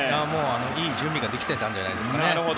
いい準備ができていたんじゃないですか。